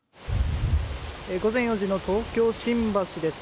午前４時の東京・新橋です。